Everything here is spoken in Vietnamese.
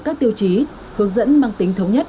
các tiêu chí hướng dẫn mang tính thống nhất